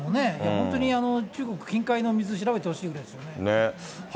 本当に中国近海の水、調べてほしいですよね。